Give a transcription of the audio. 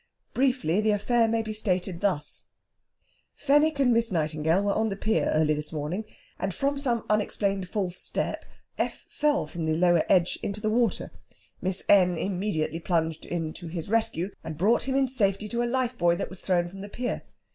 Briefly, the affair may be stated thus: "Fenwick and Miss Nightingale were on the pier early this morning, and from some unexplained false step F. fell from the lower stage into the water. Miss N. immediately plunged in to his rescue, and brought him in safety to a life buoy that was thrown from the pier.